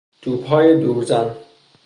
توپهای دورزن